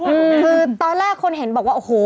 ก็ต้องช่วยคือตอนแรกคนเห็นบอกว่าโอ้โห